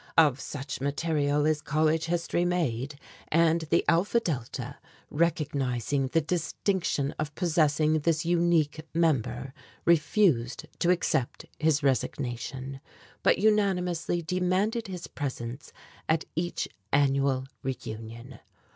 Of such material is college history made, and the Alpha Delta, recognizing the distinction of possessing this unique member, refused to accept his resignation, but unanimously demanded his presence at each annual reunion.